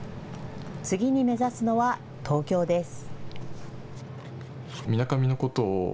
次に目指すのは東京です。